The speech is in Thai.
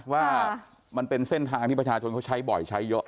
ว่ามันเป็นเส้นทางที่ประชาชนเขาใช้บ่อยใช้เยอะ